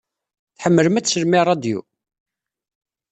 Tḥemmlem ad teslem i ṛṛadyu?